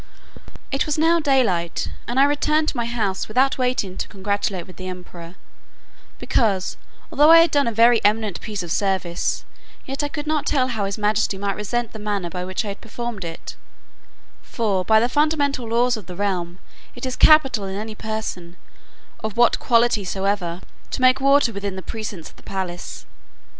It was now day light, and I returned to my house without waiting to congratulate with the emperor: because, although I had done a very eminent piece of service, yet I could not tell how his majesty might resent the manner by which I had performed it: for, by the fundamental laws of the realm, it is capital in any person, of what quality soever, to make water within the precincts of the palace.